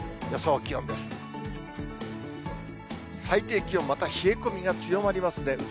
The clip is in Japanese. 最低気温、また冷え込みが強まりますね。